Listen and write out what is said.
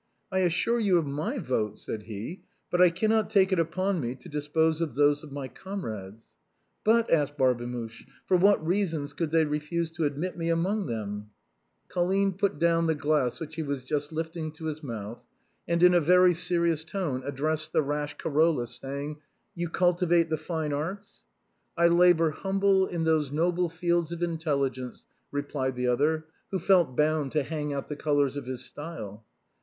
" I assure you of my vote," said he ;" but I cannot take it upon me to dispose of those of my comrades." " But," asked Barbemuche, " for what reasons could they refuse to admit me among them ?" Colline put down the glass which he was just lifting to A BOHEMIAN "AT HOME." 135 his mouth, and, in a very serious tone, addressed the rash Carolus, saying, " You cultivate the fine arts ?" "I labor humbly in those noble fields of intelligence," replied the other, who felt bound to hang out the colors of his style.